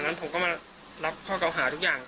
ยังรับว่าเราพูดจริง